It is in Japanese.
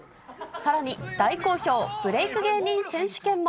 さらに、大好評、ブレイク芸人選手権も。